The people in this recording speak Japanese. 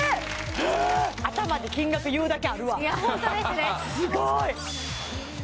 えっ頭で金額言うだけあるわいやホントですね